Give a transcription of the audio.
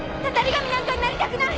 神なんかになりたくない！